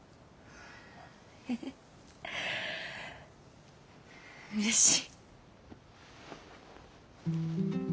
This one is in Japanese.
ええうれしい。